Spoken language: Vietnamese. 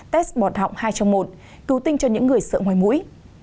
test bọt họng hai trong một cứu tinh cho những người sợ ngoài mũi